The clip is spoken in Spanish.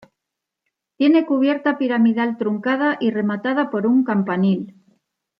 Tiene cubierta piramidal truncada y rematada por un campanil.